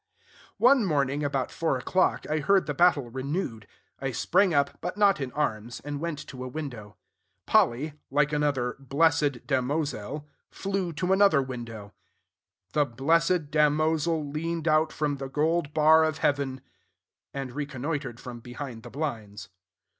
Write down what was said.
One morning, about four o'clock, I heard the battle renewed. I sprang up, but not in arms, and went to a window. Polly (like another 'blessed damozel') flew to another window, "The blessed damozel leaned out From the gold bar of heaven," and reconnoitered from behind the blinds.